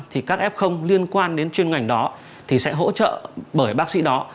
thì các f liên quan đến chuyên ngành đó thì sẽ hỗ trợ bởi bác sĩ đó